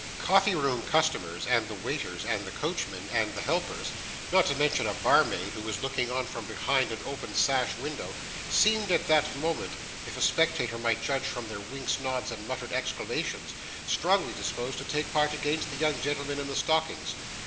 The coffee room customers, and the waiters, and the coachmen, and the helpers not to mention a barmaid who was looking on from behind an open sash window seemed at that moment, if a spectator might judge from their winks, nods, and muttered exclamations, strongly disposed to take part against the young gentleman in the stockings.